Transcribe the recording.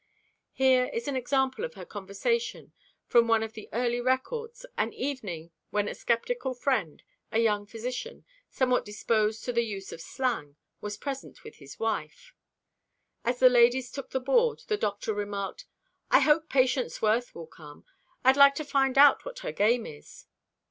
Here is an example of her conversation from one of the early records—an evening when a skeptical friend, a young physician, somewhat disposed to the use of slang, was present with his wife. As the ladies took the board, the doctor remarked: "I hope Patience Worth will come. I'd like to find out what her game is."